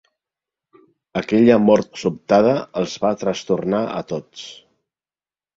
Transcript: Aquella mort sobtada els va trastornar a tots.